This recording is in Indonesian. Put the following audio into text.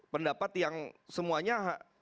pendapat yang semuanya